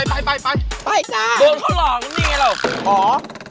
ตรงที่เหล่านั้นมิ